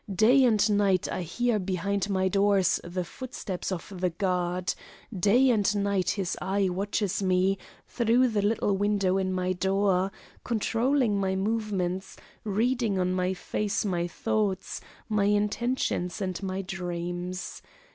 Day and night I hear behind my doors the footsteps of the guard; day and night his eye watches me through the little window in my door, controlling my movements, reading on my face my thoughts, my intentions and my dreams.